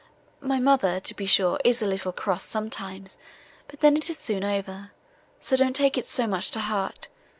My mother, to be sure, is a little cross, sometimes, but then it is soon over,—so don't take it so much to heart.